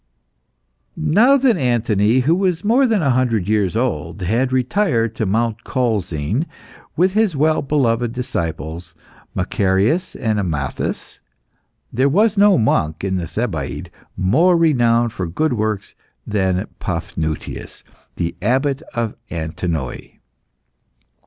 Now that Anthony, who was more than a hundred years old, had retired to Mount Colzin with his well beloved disciples, Macarius and Amathas, there was no monk in the Thebaid more renowned for good works than Paphnutius, the Abbot of Antinoe.